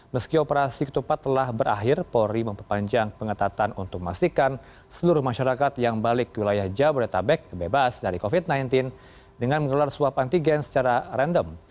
meski operasi ketupat telah berakhir polri memperpanjang pengetatan untuk memastikan seluruh masyarakat yang balik ke wilayah jabodetabek bebas dari covid sembilan belas dengan mengelar swab antigen secara random